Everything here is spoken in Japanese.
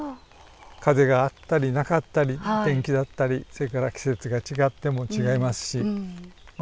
風があったりなかったり天気だったりそれから季節が違っても違いますしま